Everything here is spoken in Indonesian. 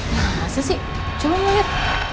masa sih coba mau liat